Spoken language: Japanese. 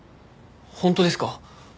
本当ですか？